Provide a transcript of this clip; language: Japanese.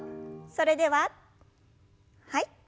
それでははい。